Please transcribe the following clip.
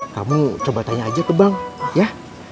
kamu coba tanya aja ke bang ya